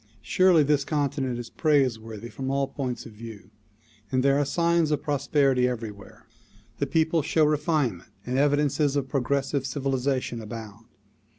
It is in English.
Surely this J continent is praiseworthy from all points of view and there are signs of prosperity everywhere. The people show refinement, and evidences of progressive civilization abound.